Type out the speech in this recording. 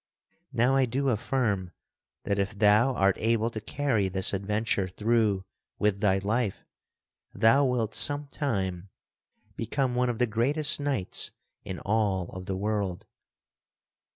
Now I do affirm that if thou art able to carry this adventure through with thy life, thou wilt some time become one of the greatest knights in all of the world.